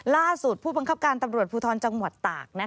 ผู้บังคับการตำรวจภูทรจังหวัดตาก